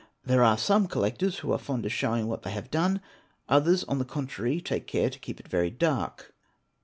There are some collectors who are fond of showing what they have done, others on the contrary take care to keep it very dark.